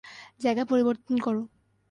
জায়গা পরিবর্তন কর!